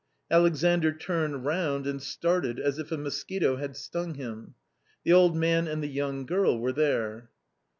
Alexandr turned round and started as if a mosquito had stung him. The old man and the young girl were there.